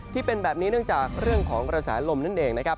ที่เป็นแบบนี้เนื่องจากเรื่องของกระแสลมนั่นเองนะครับ